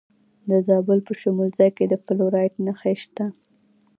د زابل په شمولزای کې د فلورایټ نښې شته.